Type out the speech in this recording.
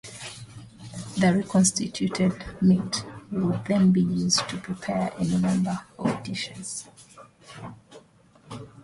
The reconstituted meat would then be used to prepare any number of dishes.